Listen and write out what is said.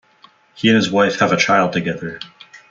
He and his wife have a child together.